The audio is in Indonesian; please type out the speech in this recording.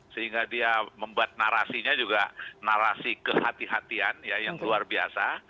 sehingga dia membuat narasinya juga narasi kehatian yang luar biasa